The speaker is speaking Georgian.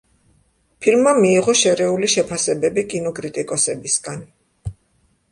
ფილმმა მიიღო შერეული შეფასებები კინო კრიტიკოსებისგან.